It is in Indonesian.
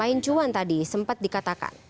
ain cuan tadi sempat dikatakan